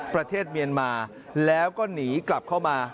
ประเทศเมียนมาแล้วก็หนีกลับเข้ามา